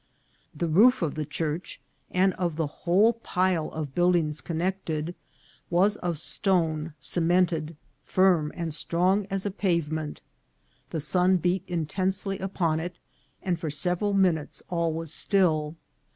The roof of the church, and of the whole pile of build ings connected, was of stone cemented, firm and strong as a pavement. The sun beat intensely upon it, and for several minutes all was still.